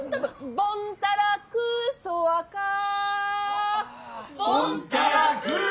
ボンタラクーソワカー。